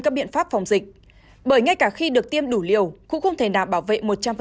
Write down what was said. các biện pháp phòng dịch bởi ngay cả khi được tiêm đủ liều cũng không thể nào bảo vệ một trăm linh